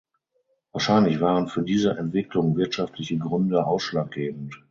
Wahrscheinlich waren für diese Entwicklung wirtschaftliche Gründe ausschlaggebend.